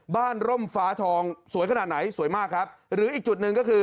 ร่มฟ้าทองสวยขนาดไหนสวยมากครับหรืออีกจุดหนึ่งก็คือ